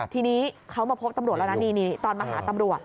ทีนี้เขามาพบตำรวจแล้วนะนี่ตอนมาหาตำรวจ